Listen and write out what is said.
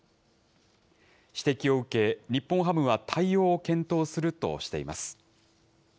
指摘を受け、日本ハムは対応を検討するとしています。